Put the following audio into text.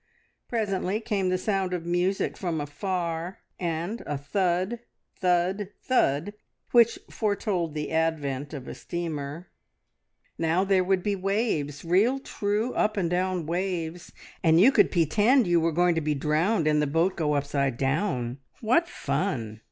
Presently came the sound of music from afar and a thud, thud, thud, which foretold the advent of a steamer. Now there would be waves real, true, up and down waves, and you could pitend you were going to be drowned, and the boat go upside down. What fun!